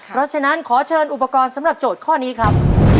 เพราะฉะนั้นขอเชิญอุปกรณ์สำหรับโจทย์ข้อนี้ครับ